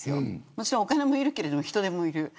もちろん、お金もいるけれど人手もいる。